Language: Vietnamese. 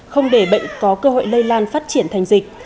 không để bệnh có cơ hội lây lan phát triển thành dịch